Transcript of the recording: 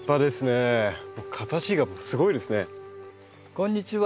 こんにちは。